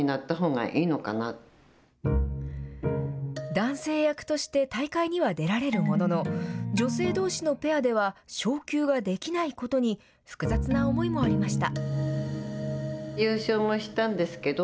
男性役として大会には出られるものの女性どうしのペアでは昇級ができないことに複雑な思いもありました。